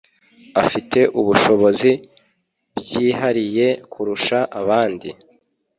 Afite ubushobozi byihariye kurusha abandi